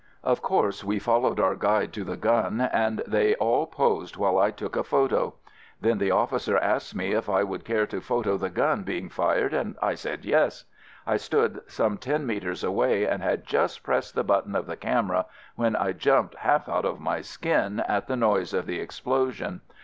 Of course we followed our guide to the gun and they all posed while I took a photo! Then the officer asked me if I would care to photo the gun being fired and I said yes. I stood some ten metres away, and had just pressed the button of the camera when I jumped half out of my skin at the noise of the explosion.